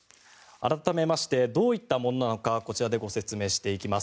改めましてどういったものなのかこちらでご説明していきます。